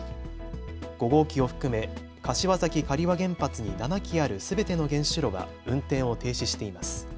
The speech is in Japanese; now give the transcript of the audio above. ５号機を含め柏崎刈羽原発に７基あるすべての原子炉は運転を停止しています。